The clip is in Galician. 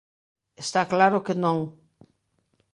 Está claro que non.